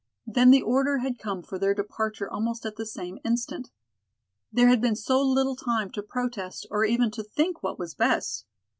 Then the order had come for their departure almost at the same instant. There had been so little time to protest or even to think what was best.